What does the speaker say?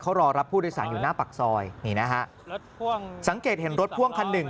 เขารอรับผู้โดยสารอยู่หน้าปากซอยนี่นะฮะสังเกตเห็นรถพ่วงคันหนึ่ง